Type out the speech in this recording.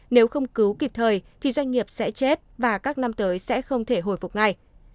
nếu không cứu kịp thời thì doanh nghiệp sẽ chết và các năm tới sẽ không thể hồi phục ngay